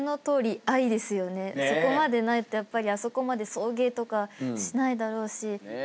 そこまでないとやっぱりあそこまで送迎とかしないだろうし。